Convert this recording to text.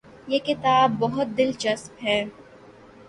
یہ کتاب بہت دلچسپ ہے